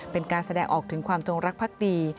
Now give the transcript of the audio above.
เป็นการแสดงออกถึงความจงรักภักดี